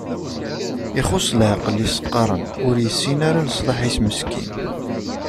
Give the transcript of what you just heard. Ixuṣ leɛqel i as-qqaren, ur yessin leṣlaḥ-is meskin.